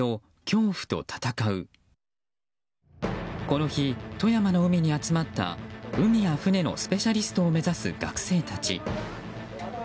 この日、富山の海に集まった海や船のスペシャリストを目指す学生たち。